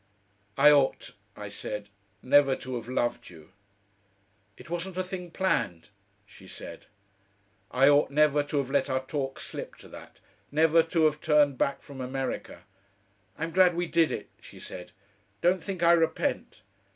"I ought," I said, "never to have loved you." "It wasn't a thing planned," she said. "I ought never to have let our talk slip to that, never to have turned back from America." "I'm glad we did it," she said. "Don't think I repent."